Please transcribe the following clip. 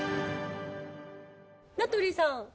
名取さん。